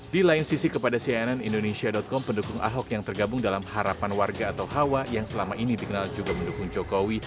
di lain sisi kepada cnn indonesia com pendukung ahok yang tergabung dalam harapan warga atau hawa yang selama ini dikenal juga mendukung jokowi